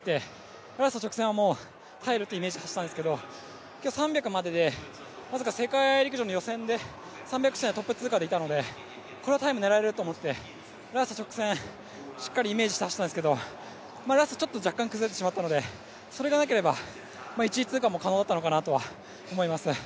もともと３００ｍまで自分のいい展開で走ってラスト直線は入るというイメージで走ったんですけれども、３００まででまさか世界陸上の予選でトップ通過でいたのでこれはタイム狙えると思ってラスト直線、しっかりイメージして走ったんですけど、ラスト若干崩れてしまったのでそれがなければ、１位通過も可能だったのかなとは思います。